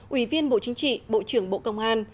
ủy viên bộ chính trị bộ trưởng bộ công an